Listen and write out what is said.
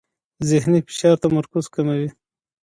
ذهني فشار تمرکز کموي.